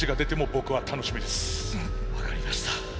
分かりました。